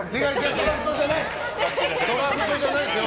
ドラフトじゃないですよ！